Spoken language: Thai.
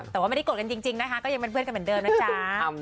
แต่ว่าไม่ได้โกรธกันจริงนะคะก็ยังเป็นเพื่อนกันเหมือนเดิมนะจ๊ะ